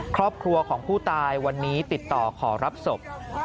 ครอบครัวของผู้ตายวันนี้ติดต่อขอรับศพ